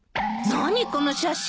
何この写真。